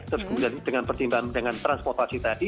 terus kemudian dengan pertimbangan dengan transportasi tadi